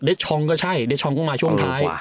เด็ดช้องก็ใช่เด็ดช้องก็มาช่วงท้าย